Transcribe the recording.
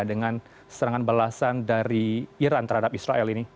dengan serangan belasan dari iran terhadap israel ini